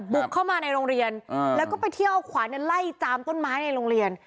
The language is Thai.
บุกเข้ามาในโรงเรียนแล้วก็ไปเที่ยวเอาขวานไล่จามต้นไม้ในโรงเรียน